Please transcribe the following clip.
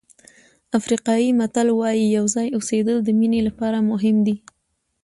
افریقایي متل وایي یو ځای اوسېدل د مینې لپاره مهم دي.